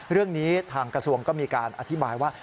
เรื่องนี้ทางกระทรวงก็มีการอธิบายว่า